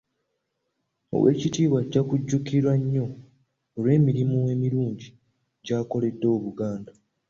Owekittibwa ajja kujjukirwa nnyo olw'emirimu emirungi gy'akoledde Obuganda.